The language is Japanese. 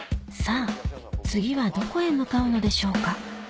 さぁ次はどこへ向かうのでしょうか？